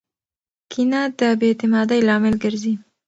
کینه د بې اعتمادۍ لامل ګرځي.